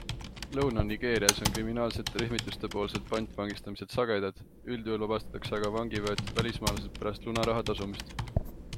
Lõuna-Nigeerias on kriminaalsete rühmituste poolsed pantvangistamised sagedad, üldjuhul vabastatakse aga vangi võetud välismaalased pärast lunaraha tasumist.